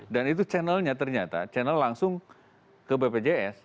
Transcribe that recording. dan itu channelnya ternyata channel langsung ke bpjs